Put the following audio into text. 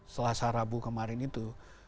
selasa rabu kemarin itu